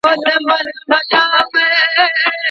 ښه اخلاق تل رڼا خپروي